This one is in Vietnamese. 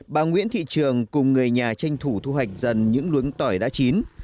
bà nguyễn thị trường cùng người nhà tranh thủ thu hoạch dần những luống tỏi đã chín